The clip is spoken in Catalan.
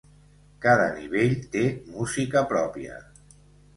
Cada nivell té música pròpia.